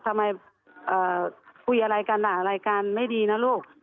ทำไมคุยอะไรกันด่าอะไรกันไม่ดีนะลูก